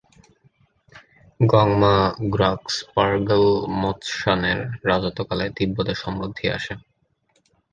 গোং-মা-গ্রাগ্স-পা-র্গ্যাল-ম্ত্শানের রাজত্বকালে তিব্বতে সমৃদ্ধি আসে।